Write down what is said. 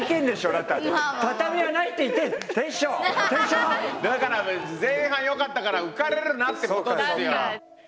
だから前半よかったから浮かれるなってことですよ。